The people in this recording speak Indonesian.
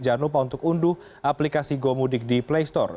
jangan lupa untuk unduh aplikasi gomudik di playstore